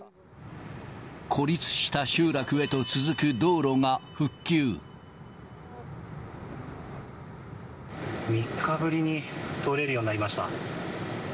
孤立した集落へと続く道路が３日ぶりに通れるようになりました。